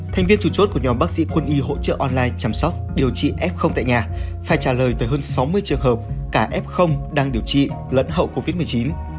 thành viên chủ chốt của nhóm bác sĩ quân y hỗ trợ online chăm sóc điều trị f tại nhà phải trả lời tới hơn sáu mươi trường hợp cả f đang điều trị lẫn hậu covid một mươi chín